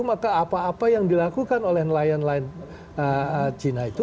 maka apa apa yang dilakukan oleh nelayan nelayan cina itu